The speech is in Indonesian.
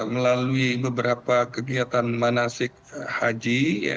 melalui beberapa kegiatan manasik haji